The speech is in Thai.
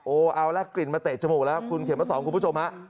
เอาละกลิ่นมาเตะจมูกแล้วคุณเขียนมาสอนคุณผู้ชมฮะ